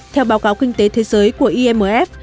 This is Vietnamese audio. theo báo cáo kinh tế thế giới của imf